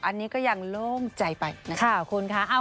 อันนี้ก็ยังโล่งใจไปนะครับ